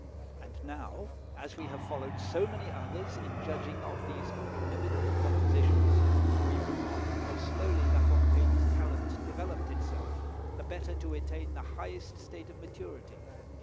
And now, as we have followed so many others in judging of these inimitable compositions, we remark how slowly La Fontaine's talent developed itself, the better to attain the highest state of maturity.